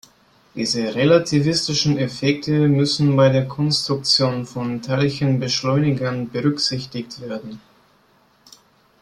Diese relativistischen Effekte müssen bei der Konstruktion von Teilchenbeschleunigern berücksichtigt werden.